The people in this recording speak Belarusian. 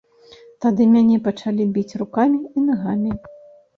Тады мяне пачалі біць рукамі і нагамі.